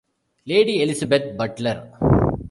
Lady Elizabeth Butler.